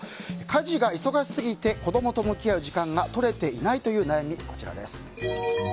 家事が忙しすぎて子どもと向き合う時間がとれていないという悩みです。